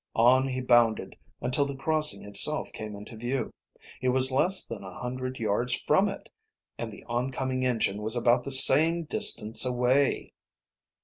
On he bounded until the crossing itself came into view. He was less than a hundred yards from it and the oncoming engine was about the same distance away!